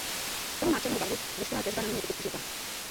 Tělo má černou barvu a veškerá kresba na něm je typicky žlutá.